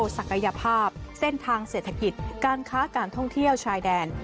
ศักยภาพเส้นทางเศรษฐกิจการค้าการท่องเที่ยวชายแดน